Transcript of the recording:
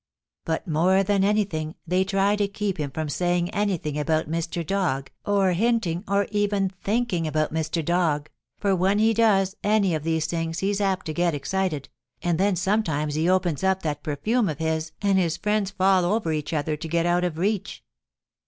"But more than anything they try to keep him from saying anything about Mr. Dog or hinting or even thinking about Mr. Dog, for when he does any of these things he's apt to get excited, and then sometimes he opens up that perfume of his and his friends fall over each other to get out of reach.